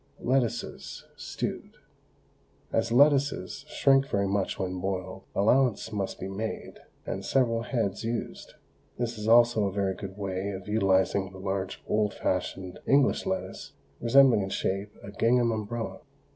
LETTUCES, STEWED. As lettuces shrink very much when boiled, allowance must be made, and several heads used. This is also a very good way of utilising the large old fashioned English lettuce resembling in shape a gingham umbrella.